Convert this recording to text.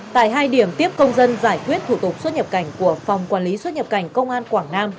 tại hai điểm tiếp công dân giải quyết thủ tục xuất nhập cảnh của phòng quản lý xuất nhập cảnh công an quảng nam